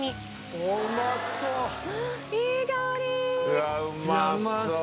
うわうまそう。